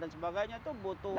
dan sebagainya tuh butuh cost